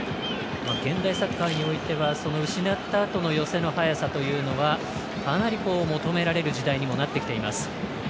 現代サッカーにおいては失ったあとの寄せの速さというのはかなり求められる時代になってきています。